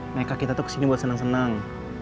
ngeka kita tuh kesini buat seneng seneng